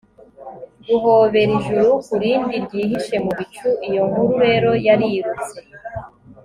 guhobera ijuru kurindi ryihishe mu bicu. iyo nkuru rero yarirutse